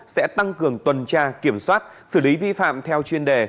sẽ tăng cường tuần tra kiểm soát xử lý vi phạm theo chuyên đề